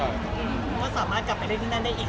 แล้วก็สามารถกลับไปรอกันไปรึยังได้อีก